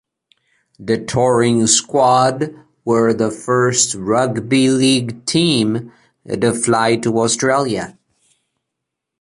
The touring squad were the first rugby league team to fly to Australia.